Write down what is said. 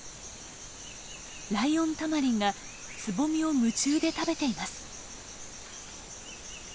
ライオンタマリンがつぼみを夢中で食べています。